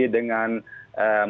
dengan mungkin fg